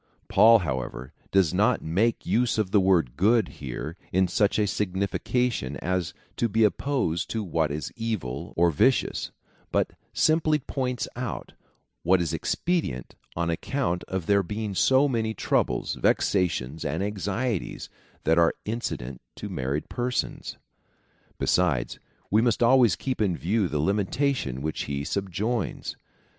^ Paul, however, does not make use of the word good here in such a signification as to be opposed to what is evil or vicious, but simply points out what is expedient on account of there being so many troubles, vexations, and anxieties that are incident to mar ried persons. Besides, we must always keep in view the limitation which he subjoins.